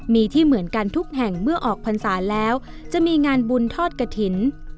มีที่เหมือนกันทุกแห่งเมื่อออกพรรษาแล้วจะมีงานบุญทอดกระถิ่น